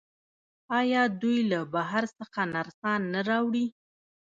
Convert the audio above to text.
آیا دوی له بهر څخه نرسان نه راوړي؟